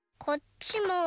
こっちも。